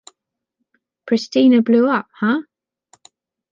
Pristina blew up, huh?